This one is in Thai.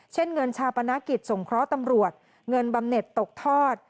เช่นเงินชาปนกิจสงเคราะห์ตำรวจเงินบำเน็ตตกทอด